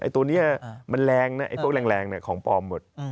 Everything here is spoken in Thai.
ตัวนี้มันแรงนะไอ้พวกแรงของปลอมหมด